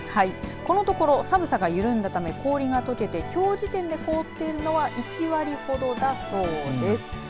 このところ寒さが緩んだため、氷がとけてきょう時点で凍っているのは１割ほどだそうです。